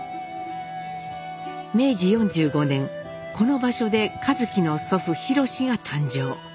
明治４５年この場所で一輝の祖父廣が誕生。